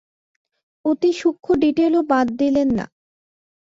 অতি সূক্ষ্ম ডিটেলও বাদ দিলেন না।